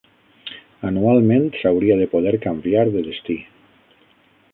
Anualment s'hauria de poder canviar de destí.